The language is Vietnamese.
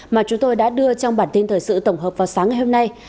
mà chúng tôi đã đưa trong bản tin thời sự tổng hợp vào sáng ngày hôm nay